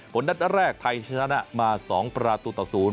นัดแรกไทยชนะมา๒ประตูต่อ๐